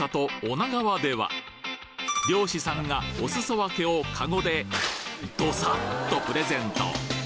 女川では漁師さんがおすそ分けをカゴでドサッとプレゼント